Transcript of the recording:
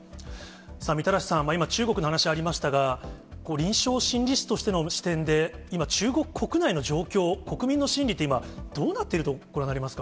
みたらしさん、今、中国の話ありましたが、臨床心理士としての視点で、今、中国国内の状況、国民の心理って今、どうなっているとご覧になりますか。